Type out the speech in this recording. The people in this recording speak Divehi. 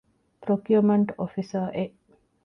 ޕްރޮކިއުމަންޓް އޮފިސަރ އެއް